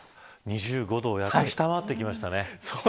２５度をやっと下回ってきましたね。